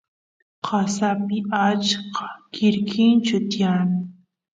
qasapi achka quirquinchu tiyan